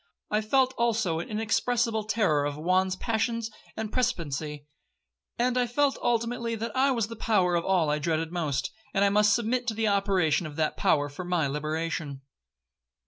I felt also an inexpressible terror of Juan's passions and precipitancy; and I felt ultimately that I was in the power of all I dreaded most, and must submit to the operation of that power for my liberation.